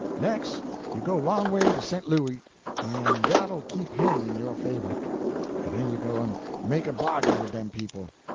Nex', you'll go 'long away to Sent Louis, en dat'll keep him in yo' favor. Den you go en make a bargain wid dem people.